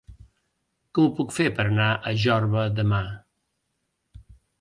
Com ho puc fer per anar a Jorba demà?